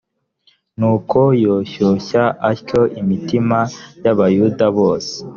nuko yoshyoshya atyo imitima y abayuda bose